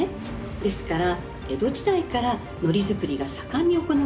ですから江戸時代から海苔作りが盛んに行われていたんです。